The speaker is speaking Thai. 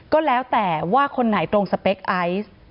ก็แล้วแต่ว่าคนไหนตรงสเปคไอซ์